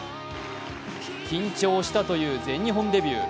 緊張したという全日本デビュー。